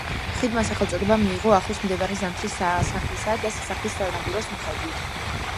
ხიდმა სახელწოდება მიიღო ახლოს მდებარე ზამთრის სასახლისა და სასახლის სანაპიროს მიხედვით.